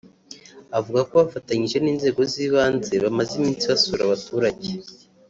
Avuga ko bafatanyije n’inzego z’ibanze bamaze iminsi basura abaturage